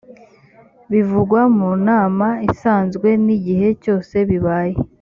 bivugwa mu nama isanzwe n’igihe cyose bibaye